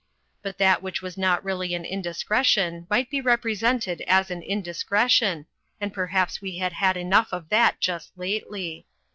But that which was not really an indiscretion might be represented as an indiscretion, and perhaps we had had enough of that just lately.